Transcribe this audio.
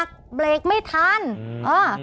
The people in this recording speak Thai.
มีรถเนี้ยปีเป็นแรกไม่ทันอืม